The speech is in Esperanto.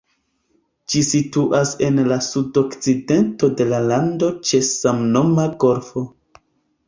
Ĝi situas en la sudokcidento de la lando ĉe samnoma golfo.